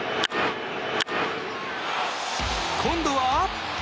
今度は。